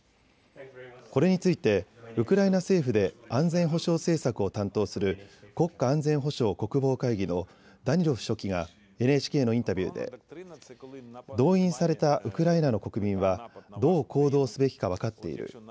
これについてウクライナ政府で安全保障政策を担当する国家安全保障・国防会議のダニロフ書記がＮＨＫのインタビューで動員されたウクライナの国民はどう行動すべきか分かっている。